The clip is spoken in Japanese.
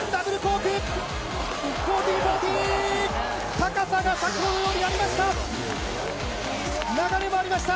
高さが先ほどよりありました。